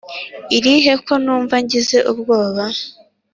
irihe ko numva ngize ubwoba”